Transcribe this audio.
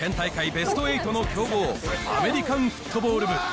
ベスト８の強豪、アメリカンフットボール部。